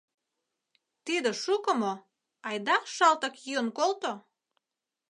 — Тиде шуко мо, айда шалтак йӱын колто!